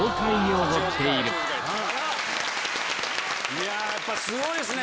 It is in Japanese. いややっぱすごいっすね。